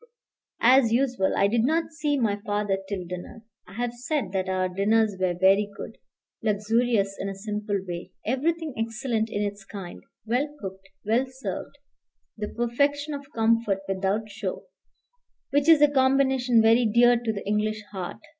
As usual, I did not see my father till dinner. I have said that our dinners were very good, luxurious in a simple way, everything excellent in its kind, well cooked, well served, the perfection of comfort without show, which is a combination very dear to the English heart.